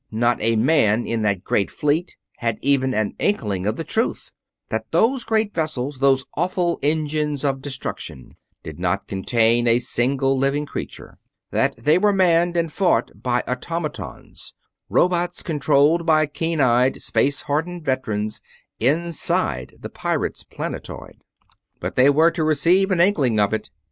Not a man in that great fleet had even an inkling of the truth; that those great vessels, those awful engines of destruction, did not contain a single living creature: that they were manned and fought by automatons; robots controlled by keen eyed, space hardened veterans inside the pirates' planetoid! But they were to receive an inkling of it.